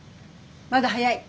まだ早い。